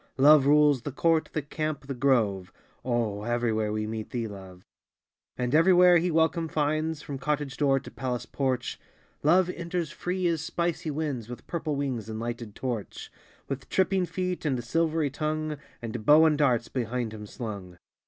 Love rules " the court, the camp, the grove " Oh, everywhere we meet thee, Love ! And everywhere he welcome finds, From cottage door to palace porch Love enters free as spicy winds, With purple wings and lighted torch, With tripping feet and silvery tongue, And bow and darts behind him slung.